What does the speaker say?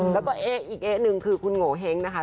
แล้วก็เอ๊ะอีกเอ๊ะหนึ่งคือคุณโงเห้งนะคะ